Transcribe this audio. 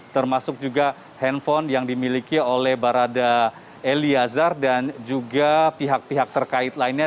termasuk juga handphone yang dimiliki oleh barada eliazar dan juga pihak pihak terkait lainnya